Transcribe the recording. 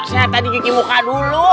saya tadi gigi muka dulu